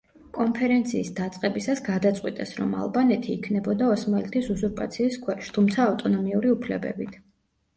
კონფერენციის დაწყებისას გადაწყვიტეს, რომ ალბანეთი იქნებოდა ოსმალეთის უზურპაციის ქვეშ, თუმცა ავტონომიური უფლებებით.